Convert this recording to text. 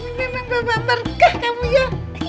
ini anak ini memang bapak berkah kamu ya